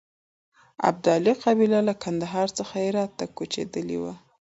ابدالي قبیله له کندهار څخه هرات ته کوچېدلې وه.